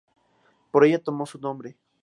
Por ella tomó su nombre.